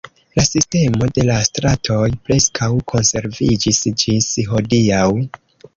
La sistemo de la stratoj preskaŭ konserviĝis ĝis hodiaŭ.